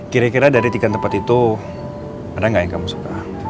kira kira dari tiga tempat itu ada nggak yang kamu suka